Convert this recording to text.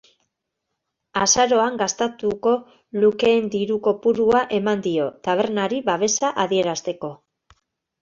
Azaroan gastatuko lukeen diru kopurua eman dio, tabernari babesa adierazteko.